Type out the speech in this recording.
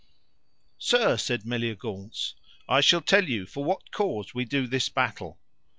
Sir, said Meliagaunce, I shall tell you for what cause we do this battle.